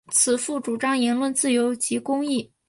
此赋主张言论自由及公义。